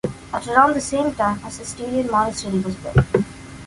At around the same time a Cistercian monastery was built.